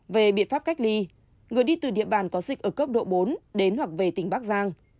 về biện pháp cách ly người đi từ địa bàn có dịch ở cấp độ bốn đến hoặc về tỉnh bắc giang